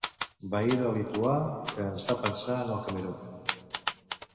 Veí de lituà que ens fa pensar en el Camerun.